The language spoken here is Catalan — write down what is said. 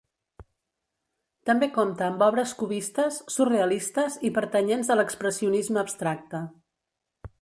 També compta amb obres cubistes, surrealistes i pertanyents a l'expressionisme abstracte.